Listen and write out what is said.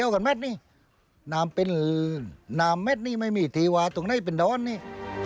ก็คิดว่าตรงนี้เป็นร้อนนี่